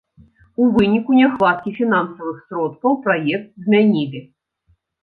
У выніку няхваткі фінансавых сродкаў праект змянілі.